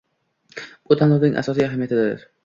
Bu tanlovning asosiy ahamiyatidir.